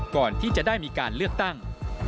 ก่อนที่จะได้มีการเลือกตั้ง